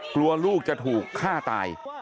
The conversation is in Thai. กลัวลูกจะถูกฆ่าตาย